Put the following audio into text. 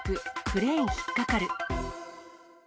クレーン引っ掛かる。